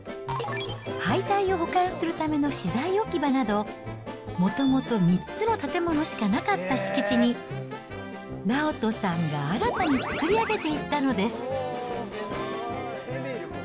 廃材を保管するための資材置き場など、もともと３つの建物しかなかった敷地に直人さんが新たに作り上げていったのです。